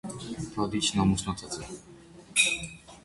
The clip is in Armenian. Ռադիչն ամուսնացած է։